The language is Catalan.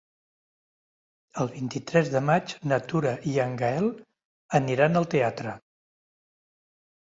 El vint-i-tres de maig na Tura i en Gaël aniran al teatre.